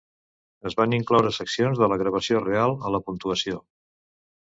Es van incloure seccions de la gravació real a la puntuació.